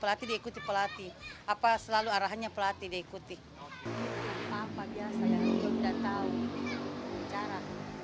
apa biasa ya rio tidak tahu cara